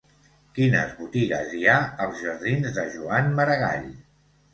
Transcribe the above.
Quines botigues hi ha als jardins de Joan Maragall?